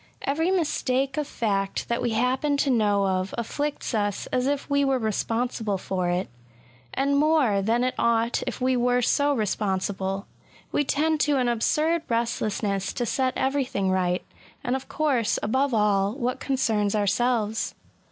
Bvery mistake of fact diat we happen to know of afficts us as if we were responsible for it, — and more than it ought if we were so responsible. We tend to an absurd restlessness to set everything right; and of course, above all, what concerns ourselves.